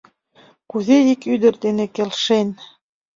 Кузе ик ӱдыр дене келшен.